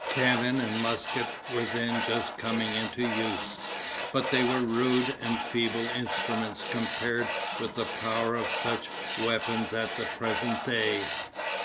Cannon and muskets were then just coming into use, but they were rude and feeble instruments compared with the power of such weapons at the present day.